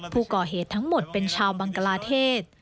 ผู้ก่อเหตุทั้งหมดเป็นชาวบังกลาเทศ